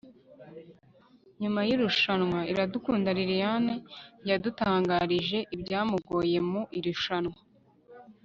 nyuma y'irushanwa iradukunda liliane yadutangarije ibyamugoye mu irushanwa